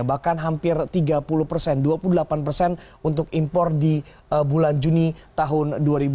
bahkan hampir tiga puluh persen dua puluh delapan persen untuk impor di bulan juni tahun dua ribu dua puluh